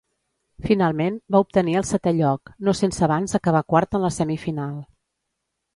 Finalment, va obtenir el setè lloc, no sense abans acabar quart en la semifinal.